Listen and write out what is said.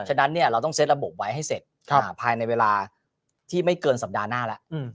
ฉะนั้นเราต้องเซ็ตระบบไว้ให้เสร็จภายในเวลาที่ไม่เกินสัปดาห์หน้าแล้ว